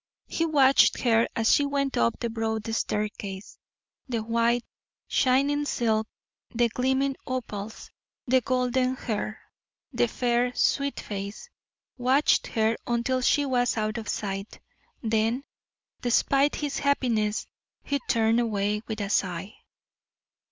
He watched her as she went up the broad staircase, the white, shining silk, the gleaming opals, the golden hair, the fair, sweet face watched her until she was out of sight; then, despite his happiness, he turned away with a sigh.